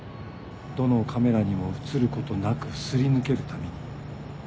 どのカメラにも写ることなく擦り抜けるために。